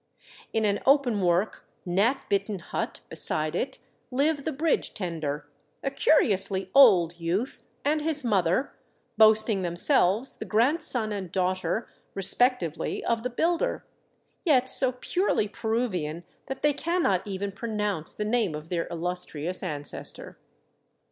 In an openwork, gnat bitten hut beside it live the bridge tender, a curi ously old youth, and his mother, boasting themselves the grandson and daughter respectively of the builder, yet so purely Peruvian that they cannot even pronounce the name of their illustrious ancestor.